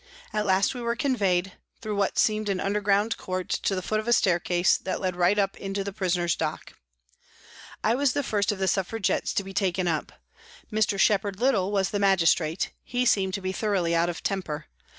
At last we were conveyed, through what seemed an underground court, to the foot of a staircase that led right up into the prisoner's dock. I was the first of the Suffragettes to be taken up. Mr. Shepherd Little was the magistrate ; he seemed to be thoroughly out of temper.